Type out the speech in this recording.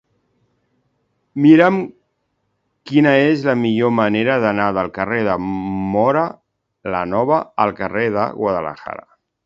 Mira'm quina és la millor manera d'anar del carrer de Móra la Nova al carrer de Guadalajara.